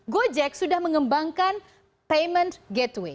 gojek sudah mengembangkan payment gateway